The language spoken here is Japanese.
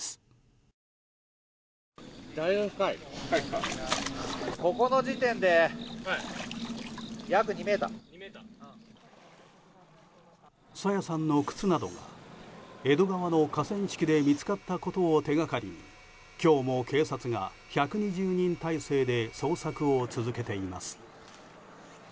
朝芽さんの靴など江戸川の河川敷で見つかったことを手掛かりに今日も警察が１２０人態勢で捜索を続けています。